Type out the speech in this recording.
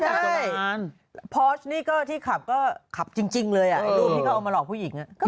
ใช่พอสนี่ก็ที่ขับก็ขับจริงเลยอ่ะไอ้รูปที่เขาเอามาหลอกผู้หญิง